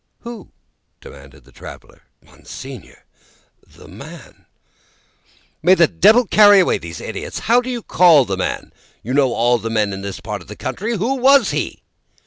"Who?" demanded the traveller. "Monseigneur, the man." "May the Devil carry away these idiots! How do you call the man? You know all the men of this part of the country. Who was he?"